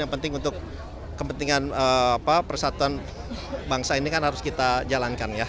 yang penting untuk kepentingan persatuan bangsa ini kan harus kita jalankan ya